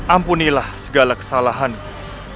ampunilah segala kesalahanku